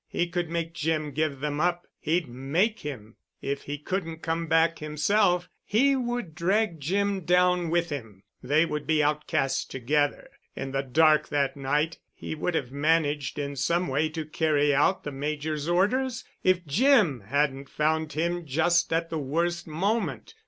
He could make Jim give them up—he'd make him. If he couldn't come back himself, he would drag Jim down with him—they would be outcast together. In the dark that night he would have managed in some way to carry out the Major's orders if Jim hadn't found him just at the worst moment.